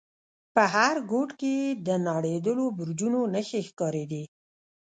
په هر گوټ کښې يې د نړېدلو برجونو نخښې ښکارېدې.